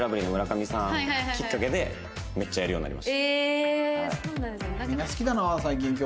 みんな好きだな最近競艇。